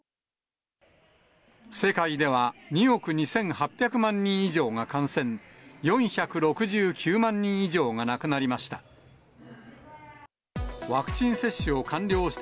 世界では、２億２８００万人以上が感染、４６９万人以上が亡くなりました。